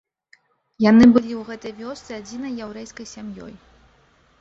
Яны былі ў гэтай вёсцы адзінай яўрэйскай сям'ёй.